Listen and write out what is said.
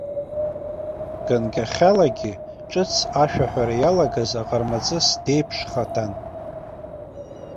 Ганкахьалагьы, ҿыц ашәаҳәара иалагаз аҟармаҵыс деиԥшхаҭан.